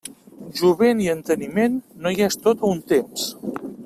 Jovent i enteniment, no hi és tot a un temps.